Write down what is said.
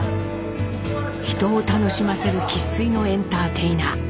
人を楽しませる生っ粋のエンターテイナー。